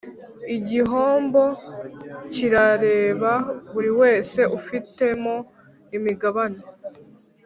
Igihombo kirareba buri wese ufitemo imigabane